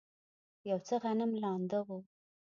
یو څه غنم لانده و.